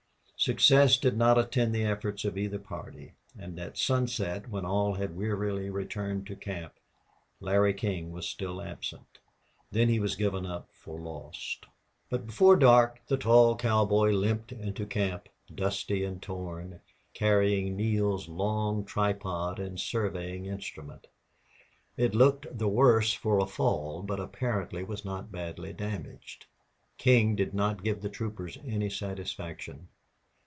Success did not attend the efforts of either party, and at sunset, when all had wearily returned to camp, Larry King was still absent. Then he was given up for lost. But before dark the tall cowboy limped into camp, dusty and torn, carrying Neale's long tripod and surveying instrument. It looked the worse for a fall, but apparently was not badly damaged. King did not give the troopers any satisfaction.